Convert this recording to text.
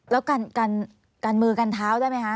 แล้วกันมือกันเท้าได้ไหมคะ